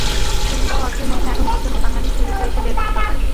চুরি যাওয়া অর্থের মধ্যে এখন পর্যন্ত বাংলাদেশ ফেরত পেয়েছে দেড় কোটি ডলার।